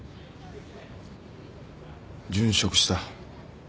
殉職した。